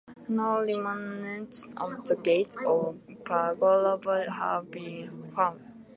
No remnants of the gates or pagoda have been found.